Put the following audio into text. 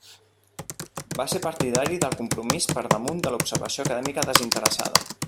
Va ser partidari del compromís per damunt de l'observació acadèmica desinteressada.